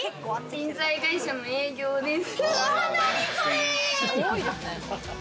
人材会社の営業です。